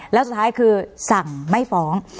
แล้วสุดท้ายคือสั่งไม่ฟ้อง